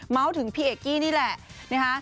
เมาท์ถึงพี่เอกกี้นี่แหละ